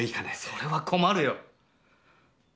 「それは困るよ。